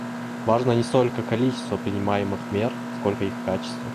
Важно не столько количество принимаемых мер, сколько их качество.